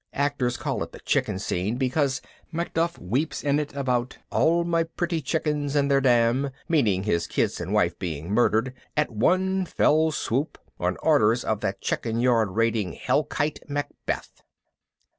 Actors call it the Chicken Scene because Macduff weeps in it about "all my pretty chickens and their dam," meaning his kids and wife, being murdered "at one fell swoop" on orders of that chickenyard raiding "hell kite" Macbeth.